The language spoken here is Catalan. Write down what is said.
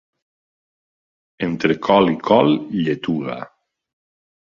Entre col i col, lletuga.